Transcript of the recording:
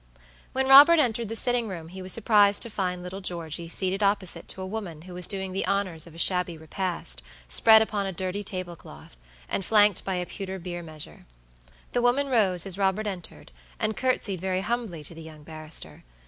When Robert entered the sitting room he was surprised to find little George seated opposite to a woman who was doing the honors of a shabby repast, spread upon a dirty table cloth, and flanked by a pewter beer measure. The woman rose as Robert entered, and courtesied very humbly to the young barrister.